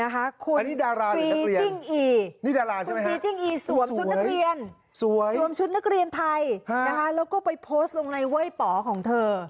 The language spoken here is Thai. คุณฟีจิ้งอีสวมชุดนักเรียนสวมชุดนักเรียนไทยแล้วก็ไปโพสต์ลงในเว้ยป๋อของเธอ